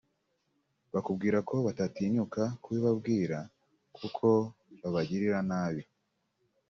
bakubwira ko batatinyuka kubibabwira kuko babagirira nabi